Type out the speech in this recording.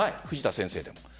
藤田先生でも。